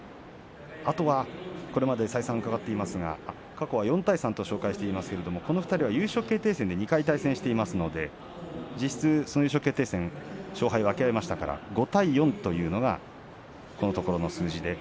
あとは、これまで再三伺っていますが過去は４対３と紹介していますが優勝決定戦で２回た成績対戦していますので実質は勝敗を分け合いましたので５対４というのが実際の数字です。